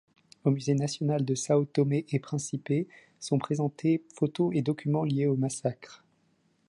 Au musée national de Sao Tomé-et-Principe sont présentés photos et documents liés au massacre.